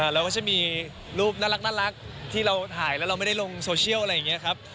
เราก็จะมีรูปน่ารักที่เราถ่ายแล้วเราไม่ได้ลงโซเชียลอะไรอย่างนี้ครับ